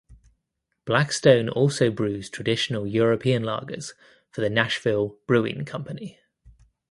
Blackstone also brews traditional European lagers for the Nashville Brewing Company.